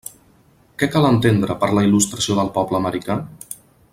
Què cal entendre per la il·lustració del poble americà.